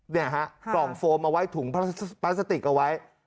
เนี่ยฮะกล่องโฟมเอาไว้ถุงพลาสติกเอาไว้